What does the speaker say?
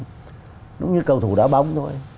giống như cầu thủ đá bóng thôi